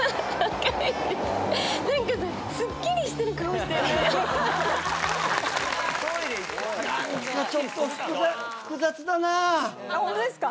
何かさすっきりしてる顔してんね。